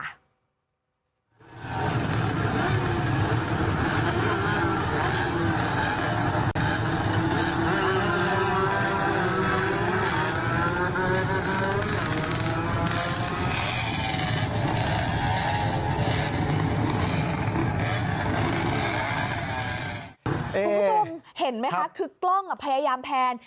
คุณผู้ชมเห็นไหมคะคือกล้องพยายามแพน